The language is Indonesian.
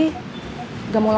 ga mau lama lama nganggur